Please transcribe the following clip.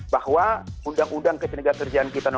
bahwa undang undang ketenagakerjaan no tiga belas tahun dua ribu tiga